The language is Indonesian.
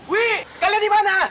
wi kalian di mana